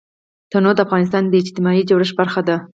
تنوع د افغانستان د اجتماعي جوړښت برخه ده.